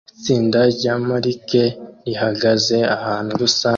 Itsinda rya marike rihagaze ahantu rusange